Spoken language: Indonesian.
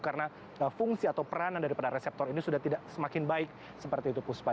karena fungsi atau peranan daripada reseptor ini sudah tidak semakin baik seperti itu puspa